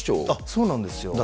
そうなんですよ。